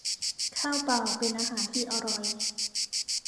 ข้าวเปล่า เป็นอาหารที่อร่อย